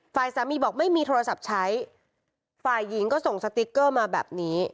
ฝ่ายสามีบอกไม่มีโทรศัพท์ใช้ฝ่ายหญิงก็ส่งสติ๊กเกอร์มาแบบนี้